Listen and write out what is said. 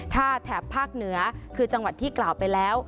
ถ้าแถบภาคเหนือคือจังหวัดที่กล่าวไปแล้ว